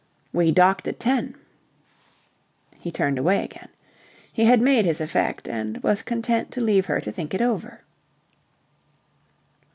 "We docked at ten." He turned away again. He had made his effect, and was content to leave her to think it over.